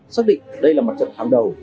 xác định đây là mặt trận hàng đầu